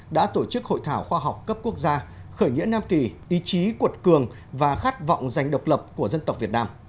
đã tổ chức hội thảo khoa học cấp quốc gia khởi nghĩa nam kỳ ý chí cuột cường và khát vọng giành độc lập của dân tộc việt nam